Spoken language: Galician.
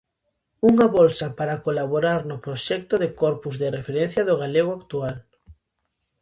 Unha bolsa para colaborar no proxecto de corpus de referencia do galego actual.